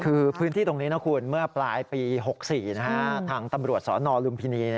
คือพื้นที่ตรงนี้นะคุณเมื่อปลายปี๖๔ทางตำรวจสนลุมพินี